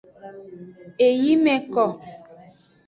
Eyi me ko.